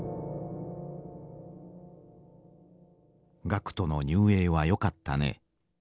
「学徒の入営はよかったね。